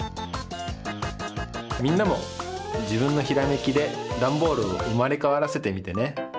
みんなもじぶんのひらめきでダンボールをうまれかわらせてみてね。